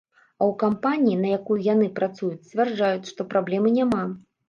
А ў кампаніі, на якую яны працуюць, сцвярджаюць, што праблемы няма.